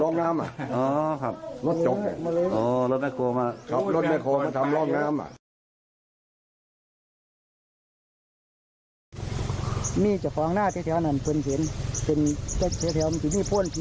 น้ำอ่ะอ๋อครับรถโจ๊กโอ๊ยโอ้ยรถน่ากลัวมาก